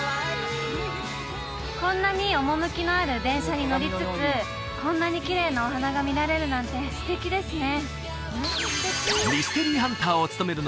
こんなに趣のある電車に乗りつつこんなにきれいなお花が見られるなんて素敵ですね